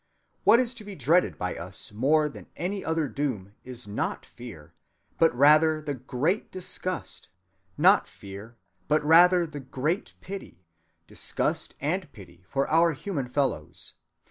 What is to be dreaded by us more than any other doom is not fear, but rather the great disgust, not fear, but rather the great pity—disgust and pity for our human fellows....